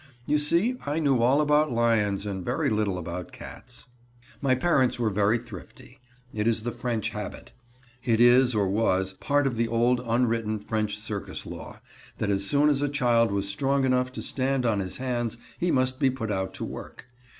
You see I knew all about lions and very little about cats. My parents were very thrifty. It is the French habit. It is, or was, part of the old unwritten French circus law, that as soon as a child was strong enough to stand on his hands he must be put out to work.